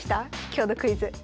今日のクイズ。